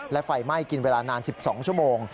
และไฟไหม้กินเวลานาน๑๒ชั่วโมง